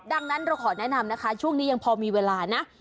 ดังนั้นเราขอแนะนำนะคะช่วงนี้ยังพอมีเวลานะ